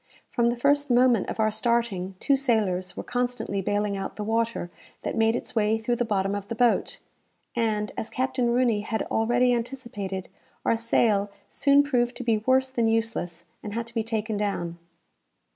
From the first moment of our starting, two sailors were constantly baling out the water that made its way through the bottom of the boat; and, as Captain Rooney had already anticipated, our sail soon proved to be worse than useless, and had to be taken down.